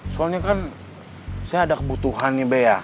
soalnya kan saya ada kebutuhan nih be ya